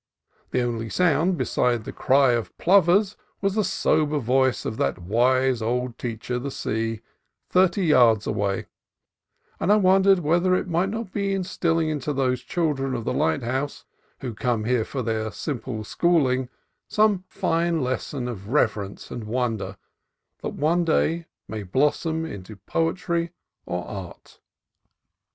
The only sound beside the cry of plovers was the sober voice of that wise old teacher, the sea, thirty yards away : and I wondered whether it might not be instilling into those children of the lighthouse, who come here for their simple school ing, some fine lesson of reverence and wonder that may one day blossom into poetry or art.